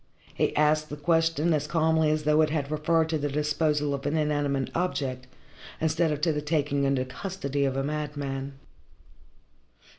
He asked the question as calmly as though it had referred to the disposal of an inanimate object, instead of to the taking into custody of a madman.